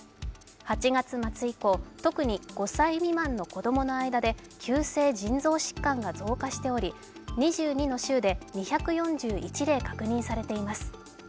８月末以降、特に５歳未満の子供の間で急性腎臓疾患が増加しており、２２の州で２４１例確認されています。